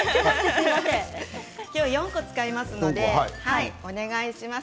今日は４個使いますのでお願いします。